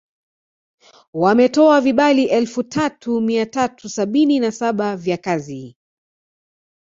Wametoa vibali elfu tatu mia tatu sabini na saba vya kazi